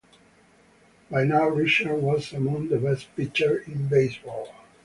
By now Richard was among the best pitchers in baseball.